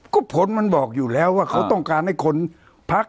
ก็ผลมันบอกอยู่แล้วว่าเขาต้องการให้คนพัก